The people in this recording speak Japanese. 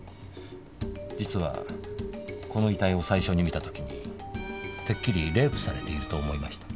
実はこの遺体を最初に見たときレイプされていると思いました。